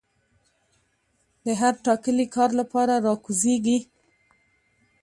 د هر ټاکلي کار لپاره را کوزيږي